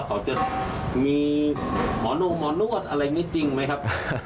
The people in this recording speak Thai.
เขาจะมีหมอนงหมอนวดอะไรไม่จริงไหมครับ